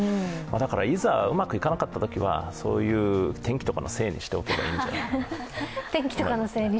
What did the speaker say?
いざ、うまくいかなかったときは、天気とかのせいにしておけばいいんじゃないかと。